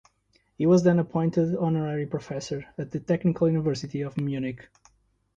He was then appointed honorary professor at the Technical University of Munich.